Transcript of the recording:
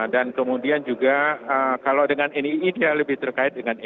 dan kemudian juga kalau dengan nii dia lebih terkait dengan nii